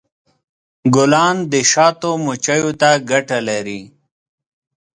ګلان د شاتو مچیو ته ګټه لري.